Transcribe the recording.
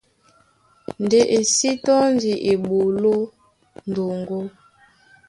Ndé e sí tɔ́ndi eɓoló ndoŋgó.